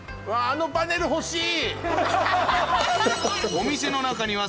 あのパネル欲しい！